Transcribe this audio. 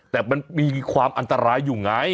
แต่มันมีความอันตรายอยู่ไง